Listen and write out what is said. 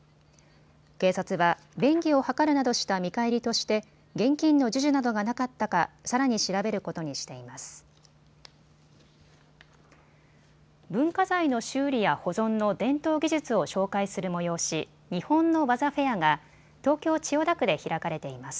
警察は便宜を図るなどした見返りとして現金の授受などがなかったかさらに調べることにしています。